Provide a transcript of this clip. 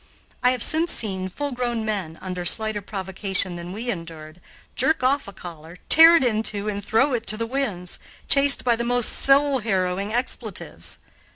I have since seen full grown men, under slighter provocation than we endured, jerk off a collar, tear it in two, and throw it to the winds, chased by the most soul harrowing expletives.